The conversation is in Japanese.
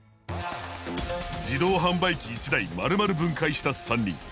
自動販売機１台まるまる分解した３人。